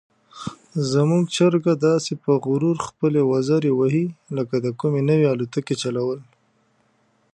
زموږ چرګه داسې په غرور خپلې وزرې وهي لکه د کومې نوې الوتکې چلول.